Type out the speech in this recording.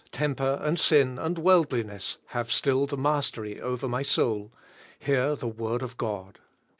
temper and sin and worldliness have still the mastery over my soul," hear the word of God.